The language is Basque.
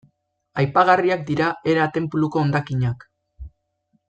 Aipagarriak dira Hera tenpluko hondakinak.